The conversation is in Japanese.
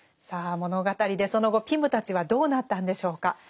さあ物語でその後ピムたちはどうなったんでしょうか。